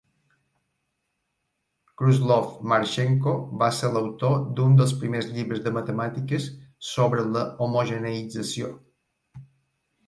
Khruslov, Marchenko va ser l'autor d'un dels primers llibres de matemàtiques sobre la homogeneïtzació.